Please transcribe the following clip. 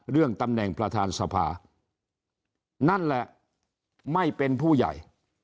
เรื่องตำแหน่งประธานสภานั่นแหละไม่เป็นผู้ใหญ่